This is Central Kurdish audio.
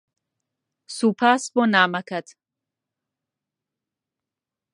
سوپاس بۆ نامەکەت.